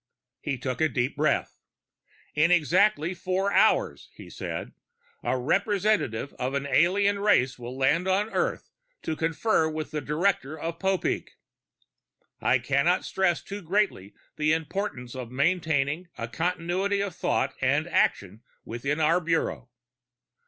He took a deep breath. "In exactly four hours," he said, "a representative of an alien race will land on Earth to confer with the director of Popeek. I cannot stress too greatly the importance of maintaining a continuity of thought and action within our Bureau.